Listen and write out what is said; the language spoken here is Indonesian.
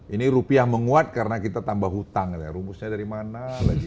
ini rupiah menguat karena kita tambah hutang rumusnya dari mana lagi